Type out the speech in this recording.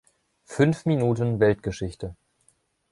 Fünf Minuten Weltgeschichte.